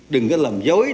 đừng có làm dối